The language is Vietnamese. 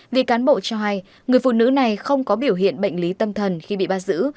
vì cán bộ cho hay người phụ nữ này không có biểu hiện bệnh lý tâm thần khi bị bắt giữ